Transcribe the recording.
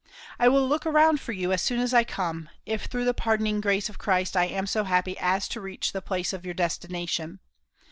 I will look around for you as soon as I come, if through the pardoning grace of Christ I am so happy as to reach the place of your destination.